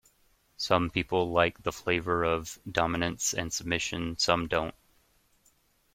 Some people like the flavor of dominance and submission... some don't.